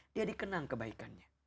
dia dikenang kebaikannya